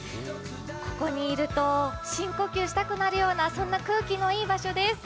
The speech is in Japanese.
ここにいると、深呼吸したくなるような空気のいい場所です。